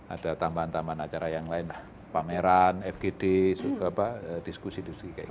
ada tambahan tambahan acara yang lain pameran fgd diskusi diskusi kayak gitu